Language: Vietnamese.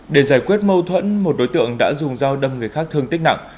để giải quyết mâu thuẫn một đối tượng đã dùng dao đâm người khác thương tích nặng